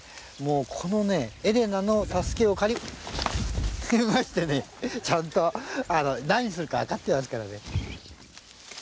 このエレナの助けを借りましてねちゃんと何するか分かってますからね。